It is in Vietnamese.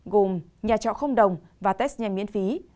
gồm nhà trọ không đồng và test nhanh miễn phí